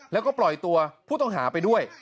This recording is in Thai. แล้วก็ปล่อยตัวผู้ต้องหาไปด้วย